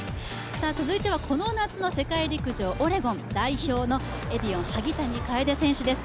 続いてはこの夏の世界陸上オレゴン代表のエディオン・萩谷楓選手です。